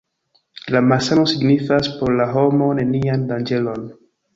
La malsano signifas por la homo nenian danĝeron.